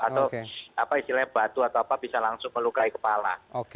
atau apa istilahnya batu atau apa bisa langsung melukai kepala